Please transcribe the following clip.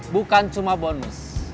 bukan cuma bonus